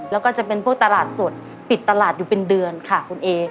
แล้วก็จะเป็นพวกตลาดสดปิดตลาดอยู่เป็นเดือนค่ะคุณเอ